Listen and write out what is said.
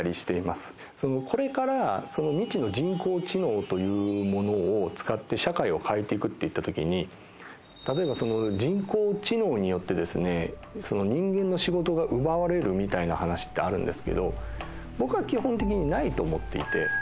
そのこれから未知の人工知能というものを使って社会を変えていくっていったときに例えば人工知能によってですね人間の仕事が奪われるみたいな話ってあるんですけど僕は基本的にないと思っていて。